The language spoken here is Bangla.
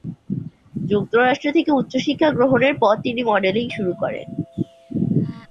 যুক্তরাষ্ট্র থেকে উচ্চশিক্ষা গ্রহণের পর তিনি মডেলিং শুরু করেন।